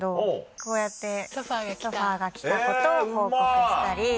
こうやってソファが来たことを報告したり。